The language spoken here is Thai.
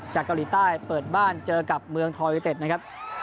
เกาหลีใต้เปิดบ้านเจอกับเมืองทอยเต็ดนะครับ